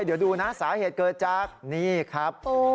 เดี๋ยวดูนะสาเหตุเกิดจากนี่ครับ